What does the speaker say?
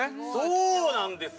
◆そうなんですよ。